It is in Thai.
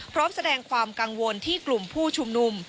พร้อมแสดงความกังวลที่กลุ่มผู้ชุมนุม